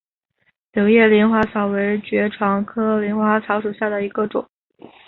柳叶鳞花草为爵床科鳞花草属下的一个种。